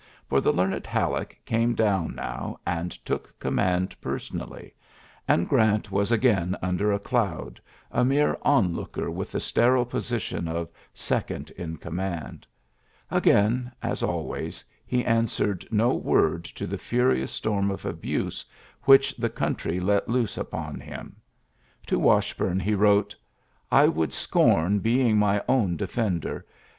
For the learned Halleck came down now, and took command person ally; and Orant was again under a doud, a mere onlooker with the sterile position of second in command. Again, as always, he answered no word to the furious storm of abuse which the coun try let loose upon him. To Washburne he wrote: ^^I would scorn being my own defender